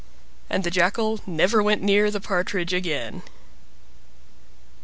And the Jackal never went near the Partridge again.